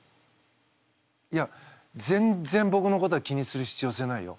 いや全然ぼくのことは気にする必要性はないよ。